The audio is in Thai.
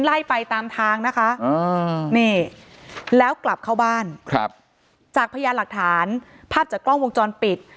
ไล่ไปตามทางนะคะนี่แล้วกลับเข้าบ้านครับจากพยานหลักฐานภาพจากกล้องวงจรปิด